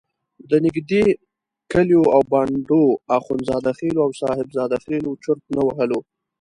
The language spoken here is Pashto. د نږدې کلیو او بانډو اخندزاده خېلو او صاحب زاده خېلو چرت نه وهلو.